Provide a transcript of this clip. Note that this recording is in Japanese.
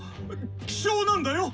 希少なんだよ！